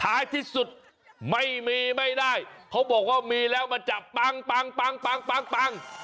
ท้ายที่สุดไม่มีไม่ได้เขาบอกว่ามีแล้วมันจะปังปังปัง